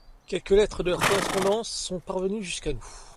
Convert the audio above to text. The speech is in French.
Quelques lettres de leur correspondance sont parvenues jusqu'à nous.